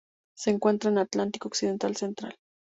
Se encuentra en el Atlántico occidental central.